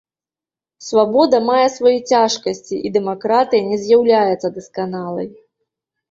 Свабода мае свае цяжкасці і дэмакратыя не з'яўляецца дасканалай.